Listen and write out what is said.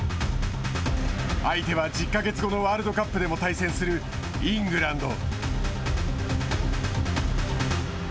相手は、１０か月後のワールドカップでも対戦するイングランド。